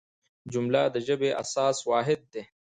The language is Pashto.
جمله د ژبي اساسي واحد دئ.